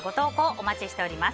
お待ちしております。